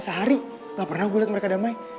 sehari gak pernah gue liat mereka damai